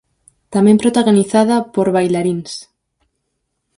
Tamén protagonizada por bailaríns.